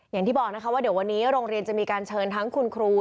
อย่างที่บอกนะคะว่าเดี๋ยววันนี้โรงเรียนจะมีการเชิญทั้งคุณครู